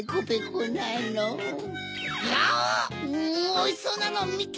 おいしそうなのみっけ！